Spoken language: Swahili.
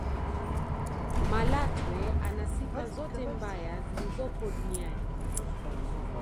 malatwe ana sifa zote mbaya zilizopo duniania